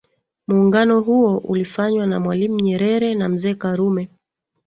Muungano huo ulifanywa na mwalimu nyerere na mzee karume